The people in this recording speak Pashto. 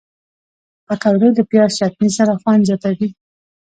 پکورې له پیاز چټني سره خوند زیاتوي